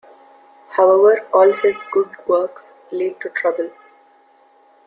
However, all his good works lead to trouble.